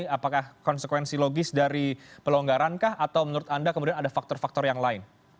apakah konsekuensi logis dari pelonggaran kah atau menurut anda kemudian ada faktor faktor yang lain